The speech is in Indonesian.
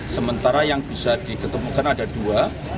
sementara yang bisa diketemukan ada dua